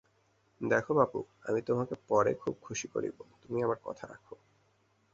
দেখ বাপু, আমি তােমাকে পরে খুব খুসী করিব, তুমি আমার কথা রাখ।